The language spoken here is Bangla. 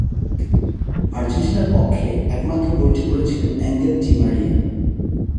আর্জেন্টিনার পক্ষে একমাত্র গোলটি করেছিলেন এঙ্গেল ডি মারিয়া।